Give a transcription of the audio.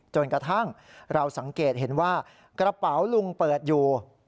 จนกระทั่งเราสังเกตเห็นว่ากระเป๋าลุงเปิดอยู่